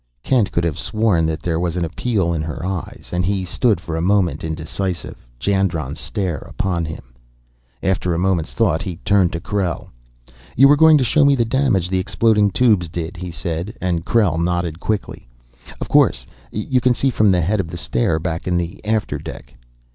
Kent could have sworn that there was an appeal in her eyes, and he stood for a moment, indecisive, Jandron's stare upon him. After a moment's thought he turned to Krell. "You were going to show me the damage the exploding tubes did," he said, and Krell nodded quickly. "Of course; you can see from the head of the stair back in the after deck."